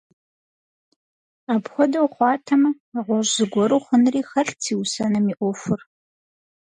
Апхуэдэу хъуатэмэ, нэгъуэщӀ зыгуэру хъунри хэлът си усэным и Ӏуэхур.